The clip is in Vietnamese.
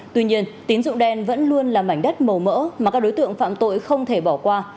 tuy nhiên tín dụng đen vẫn luôn là mảnh đất màu mỡ mà các đối tượng phạm tội không thể bỏ qua